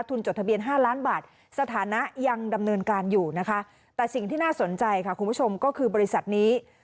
จดทะเบียน๕ล้านบาทสถานะยังดำเนินการอยู่นะคะแต่สิ่งที่น่าสนใจค่ะคุณผู้ชมก็คือบริษัทนี้